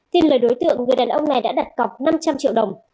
tin lời đối tượng người đàn ông này đã đặt cọc năm trăm linh triệu đồng